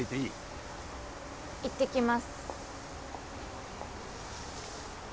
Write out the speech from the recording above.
いってきます。